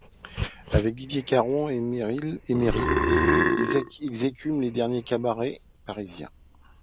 Avec Didier Caron et Merri ils écument les derniers cabarets parisiens.